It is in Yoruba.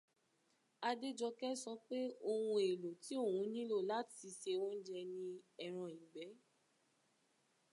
Adéjọkẹ́ sọ pé ohun èlò tí òun nílò láti se oúnjẹ ni ẹran ìgbẹ́